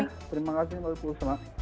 iya terima kasih banyak bersama